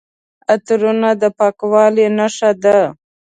عطرونه د پاکوالي نښه ده.